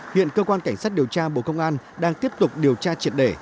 hiện cơ quan cảnh sát điều tra bộ công an đang tiếp tục điều tra triệt đề